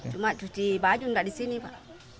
cuma cuci baju enggak di sini pak